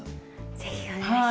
是非お願いします。